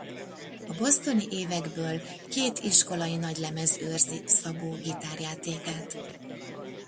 A bostoni évekből két iskolai nagylemez őrzi Szabó gitárjátékát.